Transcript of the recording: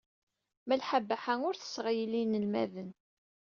Malḥa Baḥa ur tesseɣyel inelmaden.